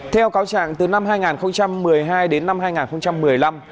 theo cáo trạng từ năm hai nghìn một mươi hai đến năm hai nghìn một mươi năm